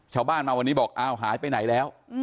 ชาวบ้านมาวันนี้บอกอ้าวหายไปไหนแล้ว